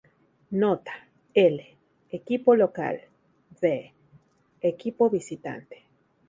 Nota: L: Equipo local, V: Equipo visitante.